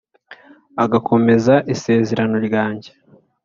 agakomeza isezerano ryanjye,